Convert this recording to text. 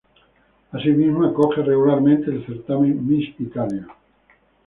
Asimismo, acoge regularmente al certamen Miss Italia.